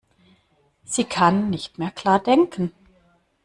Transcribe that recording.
Sie kann nicht mehr klar denken.